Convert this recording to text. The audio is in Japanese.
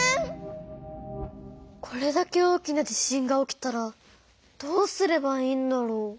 これだけ大きな地震が起きたらどうすればいいんだろう？